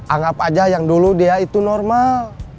anggap aja yang dulu dia itu normal